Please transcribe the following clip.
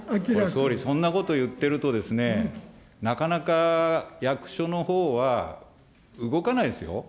総理、そんなこと言ってると、なかなか役所のほうは動かないですよ。